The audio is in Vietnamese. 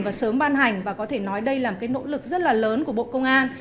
và sớm ban hành và có thể nói đây là một cái nỗ lực rất là lớn của bộ công an